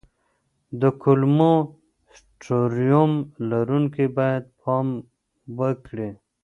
د کولمو سنډروم لرونکي باید پام وکړي.